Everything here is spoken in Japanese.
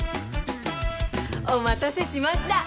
お待たせしました！